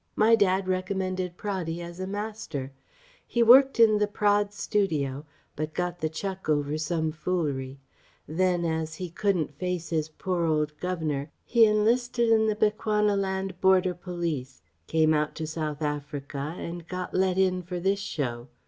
My dad recommended Praddy as a master. He worked in the Praed studio, but got the chuck over some foolery. Then as he couldn't face his poor old Governor, he enlisted in the Bechuanaland Border police, came out to South Africa and got let in for this show.